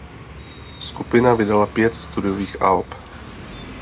Skupina vydala pět studiových alb.